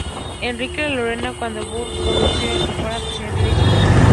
Enrique de Lorena, conde de Harcourt, Gobernador de Alsacia, presidía dicha Cámara.